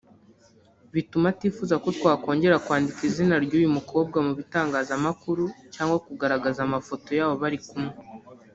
bituma atifuza ko twakongera kwandika izina ry’uyu mukobwa mu bitangazamakuru cyangwa kugaragaza amafoto yabo bari kumwe